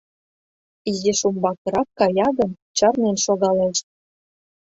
Изиш умбакырак кая гын, чарнен шогалеш.